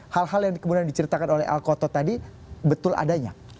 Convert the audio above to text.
hal hal yang kemudian diceritakan oleh al qato tadi betul adanya